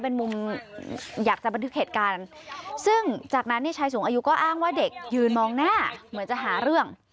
เป็นมุมอยากจะบันทึกเหตุการณ์ซึ่งจากนั้นเนี่ยชายสูงอายุก็อ้างว่าเด็กยืนมองหน้าเหมือนจะหาเรื่อง